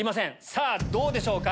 さぁどうでしょうか？